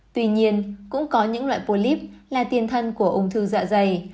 tuy nhiên cũng có những loại polyp là tiền thân của ung thư dạ dày